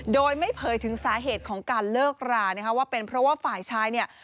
โดยไม่เผยถึงสาเหตุของการเลิกรานะคะว่าเป็นเพราะว่าฝ่ายชายเนี่ย